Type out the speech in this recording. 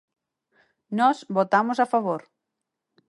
Nós votamos a favor.